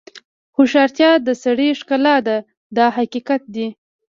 هوښیارتیا د سړي ښکلا ده دا حقیقت دی.